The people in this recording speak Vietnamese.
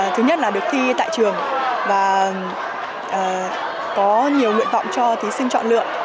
thứ nhất là được thi tại trường và có nhiều nguyện vọng cho thí sinh chọn lựa